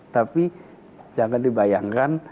tapi jangan dibayangkan